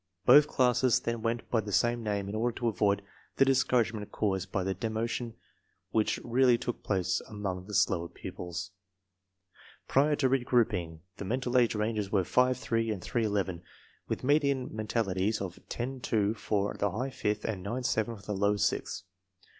Both classes then went by the same name in order to avoid the discourage ment caused by the demotion which really took place among the slower pupils. Prior to regrouping, the men tal age ranges were 5 3 and 3 11, with median men talities of 10 2 for the high fifth and 9 7 for the low sixth.